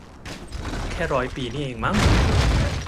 แค่ร้อยปีนี่เองมั้ง